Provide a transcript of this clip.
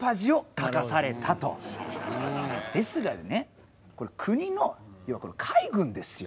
ですがね国の要はこれ海軍ですよ。